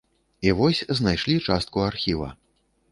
І вось знайшлі частку архіва.